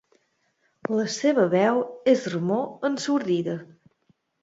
La seva veu és remor ensordida.